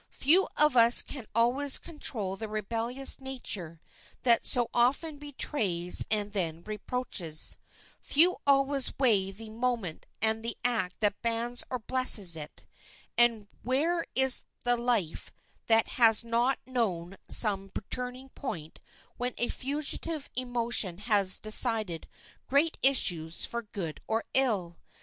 Few of us can always control the rebellious nature that so often betrays and then reproaches, few always weigh the moment and the act that bans or blesses it, and where is the life that has not known some turning point when a fugitive emotion has decided great issues for good or ill?